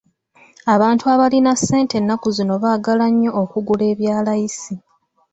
Abantu abalina ssente ennaku zino baagala nnyo okugula ebya layisi.